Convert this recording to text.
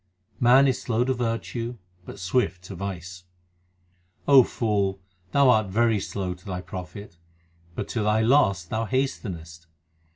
Man is slow to virtue, but swift to vice : O fool, thou art very slow to thy profit, but to thy loss thou hastenest.